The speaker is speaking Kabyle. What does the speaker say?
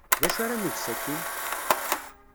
D acu ara neg sakkin?